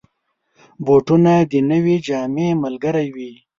بوټونه د نوې جامې ملګري وي.